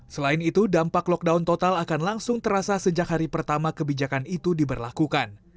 selain itu dampak lockdown total akan langsung terasa sejak hari pertama kebijakan itu diberlakukan